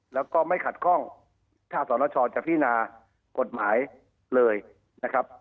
แล้วก็ไม่ขัดข้องถ้าสนชจะพินากฎหมายเลยนะครับ